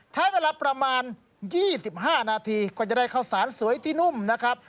ใช้เวลาประมาณ๒๕นาทีก็จะได้ข้าวสารสวยที่นุ่มนะครับ